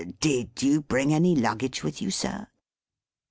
Did you bring any luggage with you, sir?"